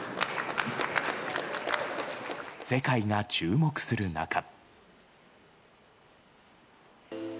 世界が注目する中。